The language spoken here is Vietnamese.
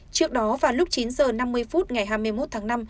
trước đó vào lúc chín h năm mươi phút ngày hai mươi một tháng năm